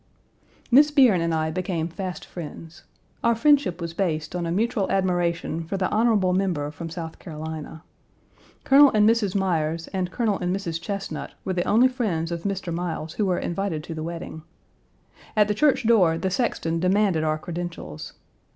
Miss Bierne and I became fast friends. Our friendship was based on a mutual admiration for the honorable member from South Carolina. Colonel and Mrs. Myers and Colonel and Mrs. Chesnut were the only friends of Mr. Miles who were invited to the wedding. At the church door the sexton demanded our credentials.